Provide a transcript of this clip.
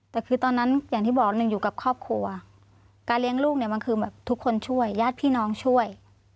แต่คือตอนนั้นอย่างที่บอกหนึ่งอยู่กับครอบครัวการเลี้ยงลูกเนี่ยมันคือแบบทุกคนช่วยญาติพี่น้องช่วย